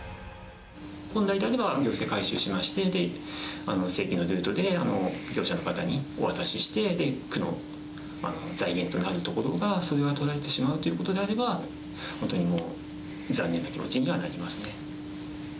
本来であれば行政回収しまして、正規のルートで業者の方にお渡しして、区の財源となるところが、それがとられてしまうということであれば、本当にもう残念な気持ちにはなりますね。